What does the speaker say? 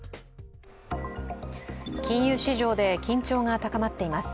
金融市場で緊張が高まっています。